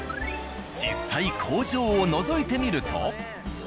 実際工場をのぞいてみると。